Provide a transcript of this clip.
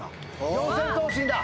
四千頭身だ。